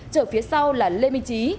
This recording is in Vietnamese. trở phía sau là lê minh trí